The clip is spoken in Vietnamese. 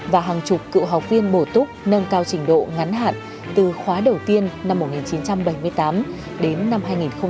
và hàng chục cựu học viên bổ túc nâng cao trình độ ngắn hạn từ khóa đầu tiên năm một nghìn chín trăm bảy mươi tám đến năm hai nghìn một mươi bảy